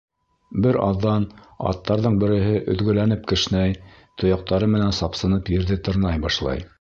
Бер аҙҙан аттарҙың береһе өҙгөләнеп кешнәй, тояҡтары менән сапсынып ерҙе тырнай башлай.